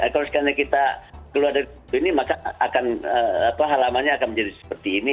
kalau misalnya kita keluar dari sini maka akan halamannya akan menjadi seperti ini